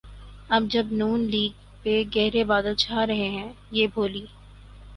اب جب نون لیگ پہ گہرے بادل چھا رہے ہیں‘ یہ بھولی